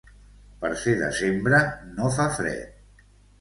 Per ser desembre, no fa fred.